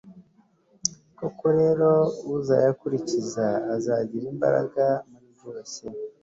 koko rero, uzayakurikiza azagira imbaraga muri byose